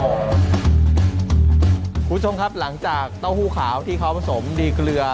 คุณผู้ชมครับหลังจากเต้าหู้ขาวที่เขาผสมดีเกลือ